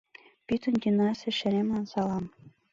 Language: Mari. — Пӱтынь тӱнясе шемерлан салам!